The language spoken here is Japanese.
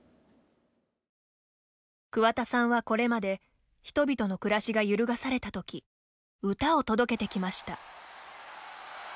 桑田さんは、これまで人々の暮らしが揺るがされたとき歌を届けてきました。